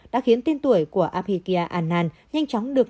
đã khiến tiên tuổi của abhigya anand nhanh chóng được